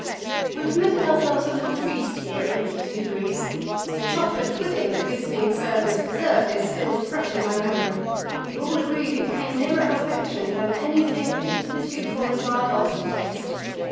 We permitted ourselves a little feast here in 82°. The "chocolate pudding" that Wisting served as dessert is still fresh in my memory; we all agreed that it came nearer perfection than anything it had hitherto fallen to our lot to taste.